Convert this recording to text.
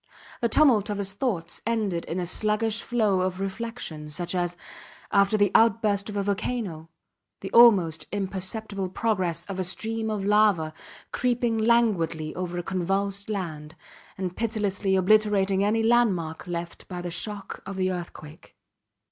The tumult of his thoughts ended in a sluggish flow of reflection, such as, after the outburst of a volcano, the almost imperceptible progress of a stream of lava, creeping languidly over a convulsed land and pitilessly obliterating any landmark left by the shock of the earthquake.